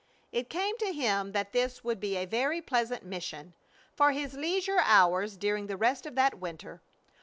It came to him that this would be a very pleasant mission, for his leisure hours during the rest of that winter.